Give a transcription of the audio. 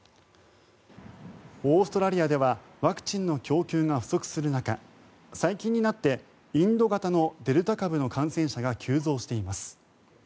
オーストラリアではワクチンの供給が不足する中最近になってインド型のデルタ株の感染者が急増しています。